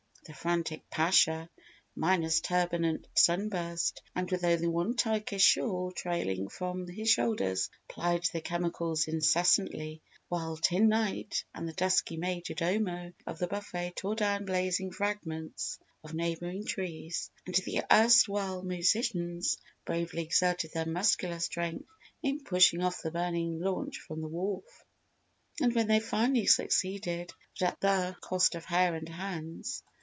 The frantic Pasha, minus turban and sunburst and with only one Turkish shawl trailing from his shoulders, plied the chemicals incessantly while the Tin Knight and the dusky Major Domo of the buffet tore down blazing fragments of neighbouring trees and the erst while musicians bravely exerted their muscular strength in pushing off the burning launch from the wharf. And they finally succeeded but at the cost of hair and hands.